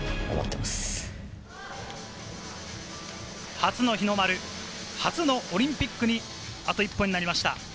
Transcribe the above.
初の日の丸、初のオリンピックにあと一歩になりました。